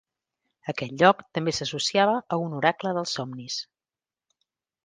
Aquest lloc també s'associava a un oracle dels somnis.